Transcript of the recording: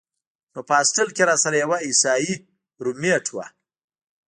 نو پۀ هاسټل کښې راسره يو عيسائي رومېټ وۀ